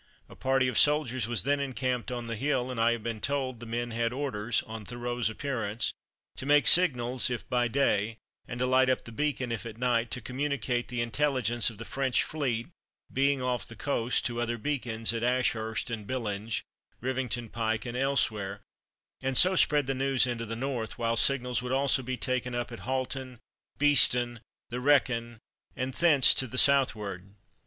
A party of soldiers was then encamped on the hill, and I have been told the men had orders, on Thurot's appearance, to make signals if by day, and to light up the Beacon if at night, to communicate the intelligence of the French fleet being off the coast to the other Beacons at Ashurst and Billinge, Rivington pike and elsewhere, and so spread the news into the north; while signals would also be taken up at Halton, Beeston, the Wreken, and thence to the southward.